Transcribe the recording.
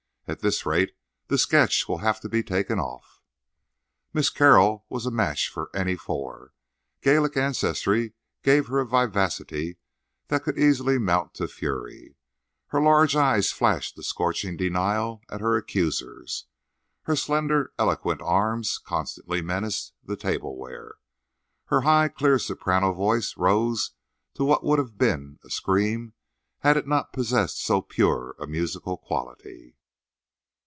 At this rate the sketch will have to be taken off." Miss Carroll was a match for any four. Gallic ancestry gave her a vivacity that could easily mount to fury. Her large eyes flashed a scorching denial at her accusers. Her slender, eloquent arms constantly menaced the tableware. Her high, clear soprano voice rose to what would have been a scream had it not possessed so pure a musical quality.